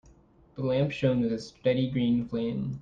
The lamp shone with a steady green flame.